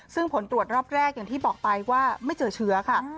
ซึ่งผลตรวจรอบแรกอย่างที่บอกไปว่าไม่เจอเชื้อค่ะ